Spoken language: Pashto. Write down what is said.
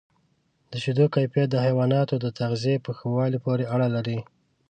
د شیدو کیفیت د حیواناتو د تغذیې په ښه والي پورې اړه لري.